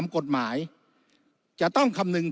วุฒิสภาจะเขียนไว้ในข้อที่๓๐